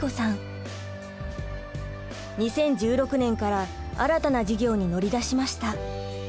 ２０１６年から新たな事業に乗り出しました。